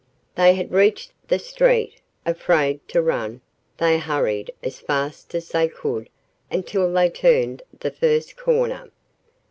They had reached the street. Afraid to run, they hurried as fast as they could until they turned the first corner.